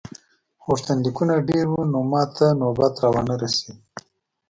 غوښتنلیکونه ډېر وو نو ماته نوبت را ونه رسیده.